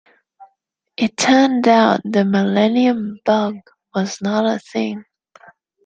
It turned out the millennium bug was not a thing.